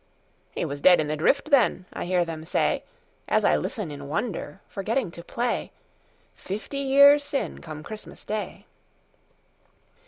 "He was dead in the drift, then,"I hear them say, As I listen in wonder, Forgetting to play, Fifty years syne come Christmas Day.